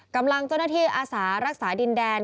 กำลังเจ้าหน้าที่อาสารักษาดินแดน